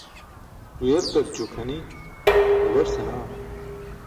Huyeltarćo kʰani babar senaa.